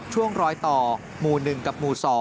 ช่วงรอยต่อหมู่๑กับหมู่๒